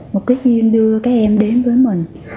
một cái duyên đưa các em đến với mình